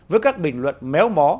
với các bình luận méo mó